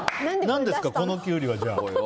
何ですか、このキュウリは。